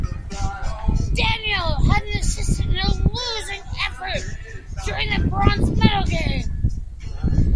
Daniel had an assist in a losing effort during the bronze medal game.